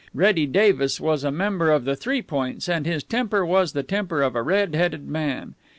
Reddy Davis was a member of the Three Points, and his temper was the temper of a red headed man.